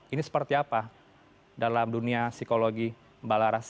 ini seperti apa dalam dunia psikologi mbak laras